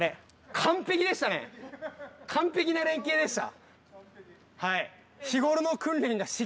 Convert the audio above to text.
完璧な連携でした。